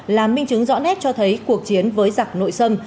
là minh chứng rõ nét cho thấy cuộc chiến với giặc nội sâm